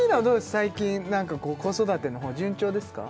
最近なんか子育ての方順調ですか？